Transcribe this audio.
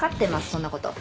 そんなこと。